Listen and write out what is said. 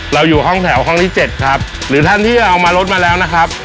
อยู่ห้องแถวห้องที่เจ็ดครับหรือท่านที่จะเอามารถมาแล้วนะครับ